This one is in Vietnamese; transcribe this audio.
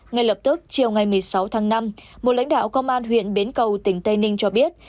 ngay lập tức chiều ngày một mươi sáu tháng năm một lãnh đạo công an huyện bến cầu tỉnh tây ninh cho biết